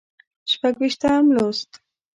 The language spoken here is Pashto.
شپږ ویشتم لوست